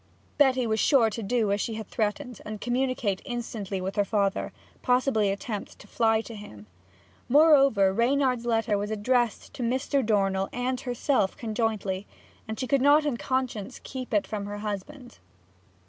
Betty was sure to do as she had threatened, and communicate instantly with her father, possibly attempt to fly to him. Moreover, Reynard's letter was addressed to Mr. Dornell and herself conjointly, and she could not in conscience keep it from her husband.